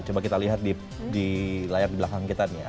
coba kita lihat di layar di belakang kita nih